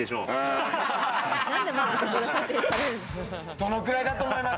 どのくらいだと思います？